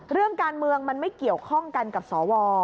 เรื่องการเมืองมันไม่เกี่ยวข้องกันกับสว